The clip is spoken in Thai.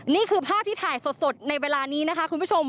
นี่คือภาพที่ถ่ายสดในเวลานี้นะคะคุณผู้ชม